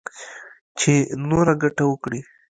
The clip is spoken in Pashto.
چـې نـوره ګـټـه وكړي.